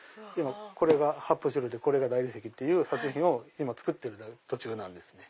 これが発泡スチロールでこれが大理石っていう作品を今作ってる途中なんですね。